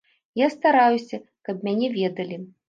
Я стараюся, каб мяне ведалі.